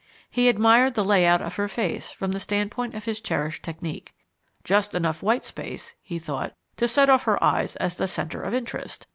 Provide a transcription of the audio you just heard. He admired the layout of her face from the standpoint of his cherished technique. "Just enough 'white space,'" he thought, "to set off her eyes as the 'centre of interest.'